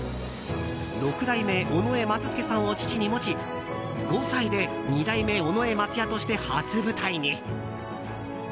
六代目尾上松助さんを父に持ち５歳で二代目尾上松也として初舞台に。